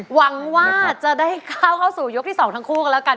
หวังว่าจะได้ก้าวเข้าสู่ยกที่๒ทั้งคู่กันแล้วกัน